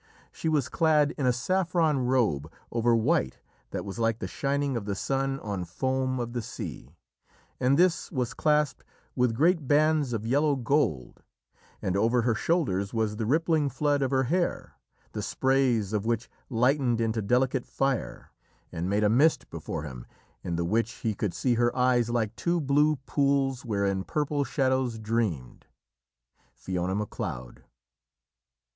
She was clad in a saffron robe over white that was like the shining of the sun on foam of the sea, and this was claspt with great bands of yellow gold, and over her shoulders was the rippling flood of her hair, the sprays of which lightened into delicate fire, and made a mist before him, in the which he could see her eyes like two blue pools wherein purple shadows dreamed." Fiona Macleod.